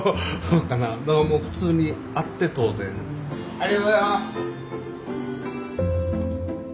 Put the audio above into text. ありがとうございます！